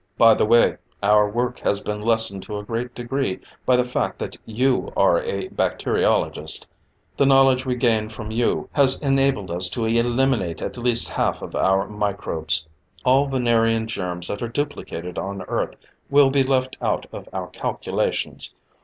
"By the way, our work has been lessened to a great degree by the fact that you are a bacteriologist. The knowledge we gain from you has enabled us to eliminate at least half of our microbes. All Venerian germs that are duplicated on Earth will be left out of our calculations.